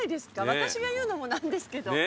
私が言うのも何ですけど。